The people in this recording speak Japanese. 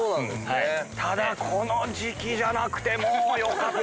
ただこの時季じゃなくてもよかった。